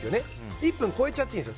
１分超えたっていいんですよ。